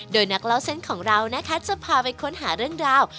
โดยนักเล่าเส้นของเรานะคะจะพาไปค้นหาเรื่องราว